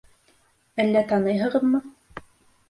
Әллә таныйһығыҙмы?